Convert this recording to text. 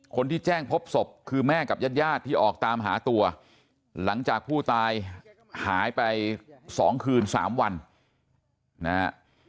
คนที่แจ้งพบศพคือแม่กับญาติญาติที่ออกตามหาตัวหลังจากผู้ตายหายไป๒คืน๓วันนะฮะ